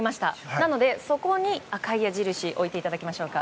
なので、そこに赤い矢印置いていただきましょうか。